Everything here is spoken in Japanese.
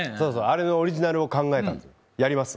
あれのオリジナルを考えたんですよやります？